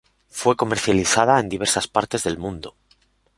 Fue comercializada en diversas partes del mundo.